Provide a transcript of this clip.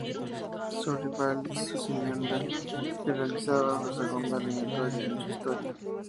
Su rival sería Suazilandia, que realizaba su segunda eliminatoria en su historia.